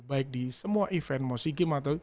baik di semua event mau sea games atau